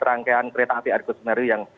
rangkaian kereta api argo semeru yang